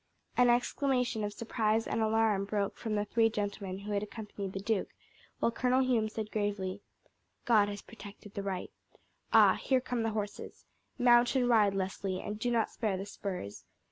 An exclamation of surprise and alarm broke from the three gentlemen who had accompanied the duke, while Colonel Hume said gravely: "God has protected the right. Ah! here come the horses! Mount and ride, Leslie, and do not spare the spurs.